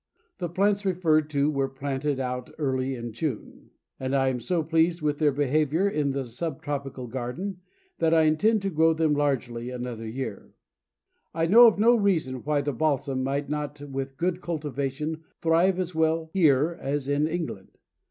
The plants referred to were planted out early in June, and I am so pleased with their behaviour in the sub tropical garden, that I intend to grow them largely another year." I know of no reason why the Balsam might not with good cultivation thrive as well here as in England.